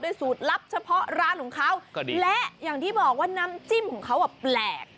สูตรลับเฉพาะร้านของเขาก็ดีและอย่างที่บอกว่าน้ำจิ้มของเขาอ่ะแปลก